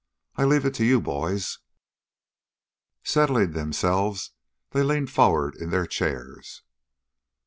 I leave it to you, boys!" Settling themselves they leaned forward in their chairs.